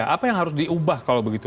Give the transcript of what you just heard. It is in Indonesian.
apa yang harus diubah kalau begitu